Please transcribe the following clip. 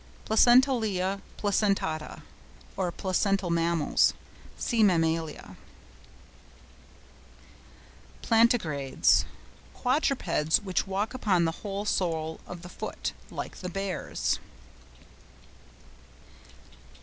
PLACENTALIA, PLACENTATA.—or PLACENTAL MAMMALS, See MAMMALIA. PLANTIGRADES.—Quadrupeds which walk upon the whole sole of the foot, like the bears.